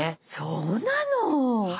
そうなの！